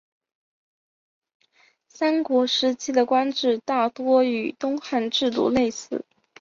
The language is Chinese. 三国时期的官制大多与东汉制度类似。